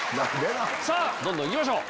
さぁどんどんいきましょう。